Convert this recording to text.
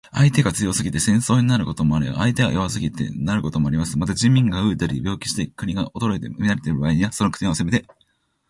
相手が強すぎて戦争になることもあれば、相手が弱すぎてなることもあります。また、人民が餓えたり病気して国が衰えて乱れている場合には、その国を攻めて